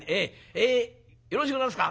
ええよろしゅうございますか？